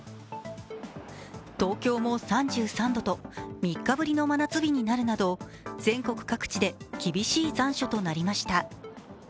東京も３３度と３日ぶりの真夏日になるなど全国各地で厳しい残暑となりました。